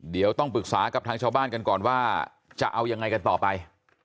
เดี๋ยวต้องปรึกษากับทางชาวบ้านกันก่อนว่าจะเอายังไงกันต่อไป